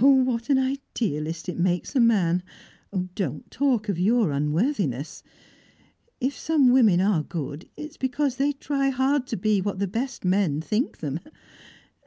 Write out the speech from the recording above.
"Oh, what an idealist it makes a man! don't talk of your unworthiness. If some women are good, it is because they try hard to be what the best men think them.